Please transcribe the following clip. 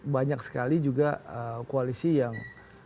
banyak sekali juga koalisi yang